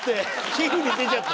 皮膚に出ちゃった。